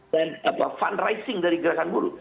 dan fundraising dari gerakan buru